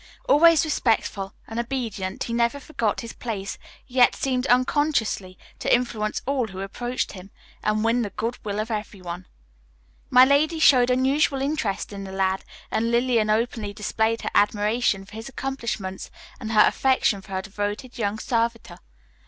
Always respectful and obedient, he never forgot his place, yet seemed unconsciously to influence all who approached him, and win the goodwill of everyone. My lady showed unusual interest in the lad, and Lillian openly displayed her admiration for his accomplishments and her affection for her devoted young servitor.